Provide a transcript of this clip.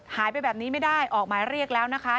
หายไปแบบนี้ไม่ได้ออกหมายเรียกแล้วนะคะ